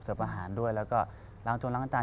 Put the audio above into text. เสิร์ฟอาหารด้วยแล้วก็ล้างจงล้างจาน